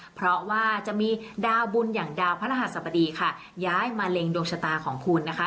เพราะว่าจะมีดาวบุญอย่างดาวพระรหัสบดีค่ะย้ายมาเล็งดวงชะตาของคุณนะคะ